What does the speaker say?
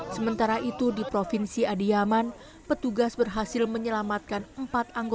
sementara itu di provinsi adiyaman petugas berhasil menyelamatkan anak yang terjebak di antara puing beton